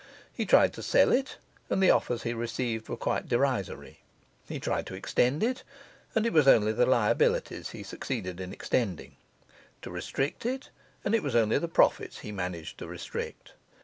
He tried to sell it, and the offers he received were quite derisory. He tried to extend it, and it was only the liabilities he succeeded in extending; to restrict it, and it was only the profits he managed to restrict.